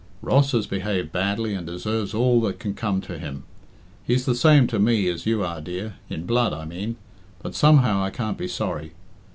Ross has behaved badly and deserves all that can come to him. 'He's the same to me as you are, dear in blood, I mean but somehow I can't be sorry....